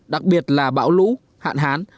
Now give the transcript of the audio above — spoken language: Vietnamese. đặc biệt là bão lũ hạn hán